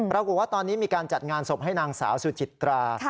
ปรากฏว่าตอนนี้มีการจัดงานศพให้นางสาวสุจิตรา